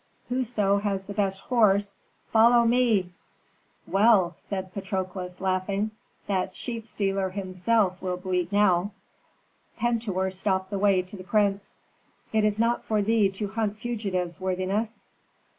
whoso has the best horse, follow me!" "Well," said Patrokles, laughing, "that sheep stealer himself will bleat now!" Pentuer stopped the way to the prince. "It is not for thee to hunt fugitives, worthiness."